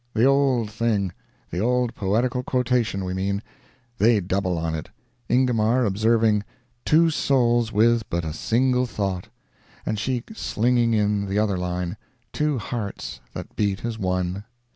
The old thing—The old poetical quotation, we mean—They double on it—Ingomar observing "Two souls with but a single Thought," and she slinging in the other line, "Two Hearts that Beat as one."